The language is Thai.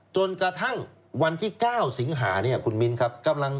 จนกระทั่งวันที่๙สิงหาเนี่ยคุณมิ้นครับ